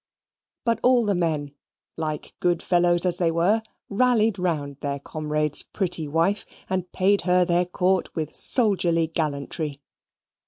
But all the men, like good fellows as they were, rallied round their comrade's pretty wife, and paid her their court with soldierly gallantry.